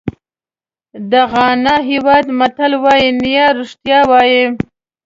د غانا هېواد متل وایي نیا رښتیا وایي.